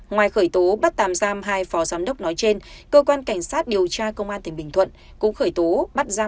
ngoài khởi tố bắt tạm giam hai phó giám đốc nói trên cơ quan cảnh sát điều tra công an tỉnh bình thuận cũng khởi tố bắt giam